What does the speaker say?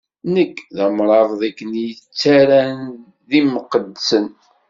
Nekk, d amṛabeḍ i ken-ittarran d imqeddsen.